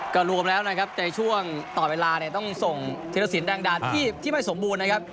ก็รวมแล้วนะครับในช่วงต่อเวลาเนี่ยต้องส่งธีรสินแดงดาที่ไม่สมบูรณ์นะครับ